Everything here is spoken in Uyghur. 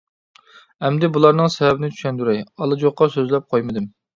ئەمدى بۇلارنىڭ سەۋەبىنى چۈشەندۈرەي، ئالا جوقا سۆزلەپ قويمىدىم.